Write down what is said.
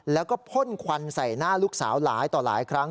แล้วก็พ่นควันใส่หน้าลูกสาวหลายต่อหลายครั้ง